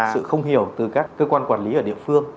sự không hiểu từ các cơ quan quản lý ở địa phương